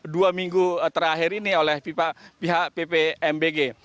dua minggu terakhir ini oleh pihak ppmbg